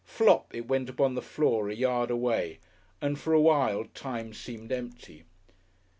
Flop, it went upon the floor a yard away, and for awhile time seemed empty.